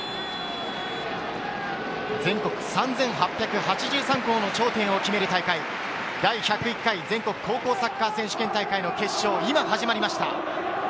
全国３８８３校の頂点を決める大会、第１０１回全国高校サッカー選手権大会の決勝、今始まりました。